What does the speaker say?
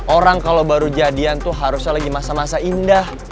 orang kalau baru jadian tuh harusnya lagi masa masa indah